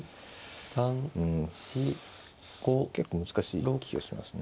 うん結構難しい気がしますね。